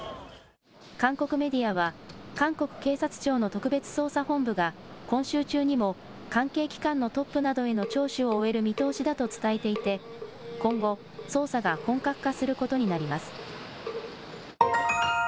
韓国メディアは、韓国警察庁の特別捜査本部が、今週中にも関係機関のトップなどへの聴取を終える見通しだと伝えていて、今後、捜査が本格化することになります。